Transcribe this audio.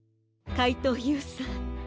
かいとうＵさん